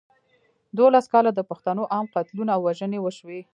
دولس کاله د پښتنو عام قتلونه او وژنې وشوې.